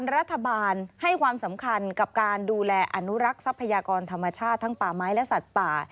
รัฐบาลให้ความสำคัญกับการดูแลอนุรักษ์ทรัพยากรธรรมชาติทั้งป่าไม้และสัตว์ป่า